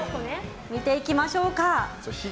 見ていきましょう。